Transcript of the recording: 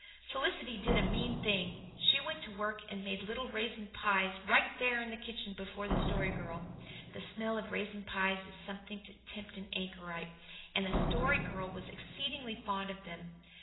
Felicity did a mean thing. She went to work and made little raisin pies, right there in the kitchen before the Story Girl. The smell of raisin pies is something to tempt an anchorite; and the Story Girl was exceedingly fond of them.